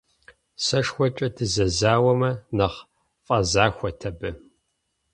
СэшхуэкӀэ дызэзауэмэ, нэхъ фӀэзахуэт абы.